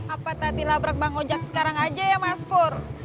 apa tadi labrak bang ojek sekarang aja ya mas pur